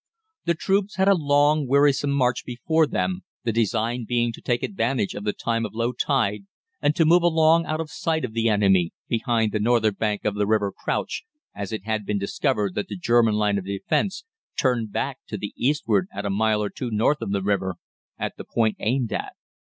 "The troops had a long, wearisome march before them, the design being to take advantage of the time of low tide, and to move along out of sight of the enemy behind the northern bank of the river Crouch, as it had been discovered that the German line of defence turned back to the eastward at a mile or two north of the river at the point aimed at.